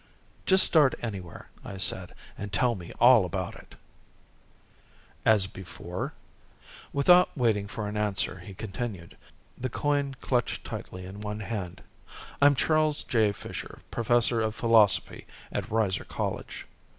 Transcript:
"Just start anywhere," I said, "and tell me all about it." "As before?" Without waiting for an answer, he continued, the coin clutched tightly in one hand. "I'm Charles J. Fisher, professor of Philosophy at Reiser College."